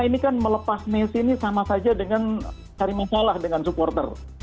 ini kan melepas messi ini sama saja dengan cari masalah dengan supporter